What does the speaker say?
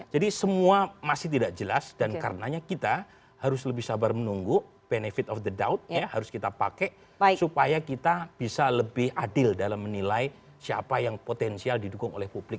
jadi semua masih tidak jelas dan karenanya kita harus lebih sabar menunggu benefit of the doubt ya harus kita pakai supaya kita bisa lebih adil dalam menilai siapa yang potensial didukung oleh publik